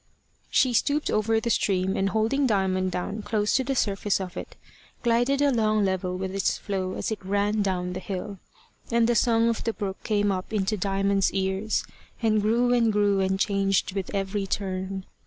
She stooped over the stream and holding Diamond down close to the surface of it, glided along level with its flow as it ran down the hill. And the song of the brook came up into Diamond's ears, and grew and grew and changed with every turn.